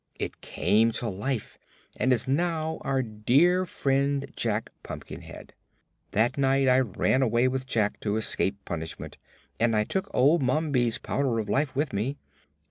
It came to life and is now our dear friend Jack Pumpkinhead. That night I ran away with Jack to escape punishment, and I took old Mombi's Powder of Life with me.